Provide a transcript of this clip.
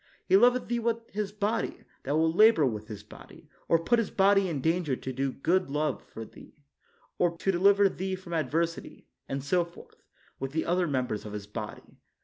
He loveth thee with his body, that will labor with his body, or put his body in danger to do good for thee, or to deliver thee from adversity ; and so forth, with the other members of his body.